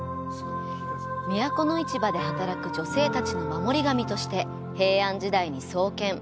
都の市場で働く女性たちの守り神として平安時代に創建。